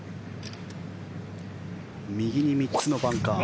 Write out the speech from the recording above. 右に３つのバンカー。